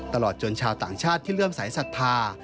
ตลอดจนชาวต่างชาติที่เริ่มสายศรัทธา